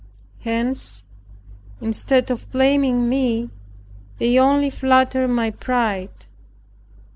Hence, instead of blaming me, they only flattered my pride.